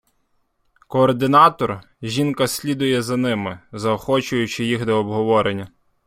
Координатор - жінка слідує за ними, заохочуючи їх до обговорення.